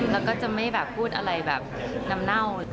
แล้วก็จะไม่แบบพูดอะไรแบบน้ำเน่า